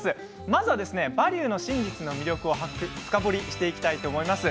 まずは「バリューの真実」の魅力を深掘りしていきたいと思います。